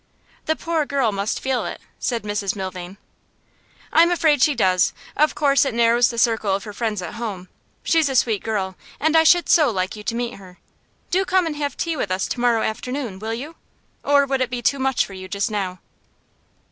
'The poor girl must feel it,' said Mrs Milvain. 'I'm afraid she does. Of course it narrows the circle of her friends at home. She's a sweet girl, and I should so like you to meet her. Do come and have tea with us to morrow afternoon, will you? Or would it be too much for you just now?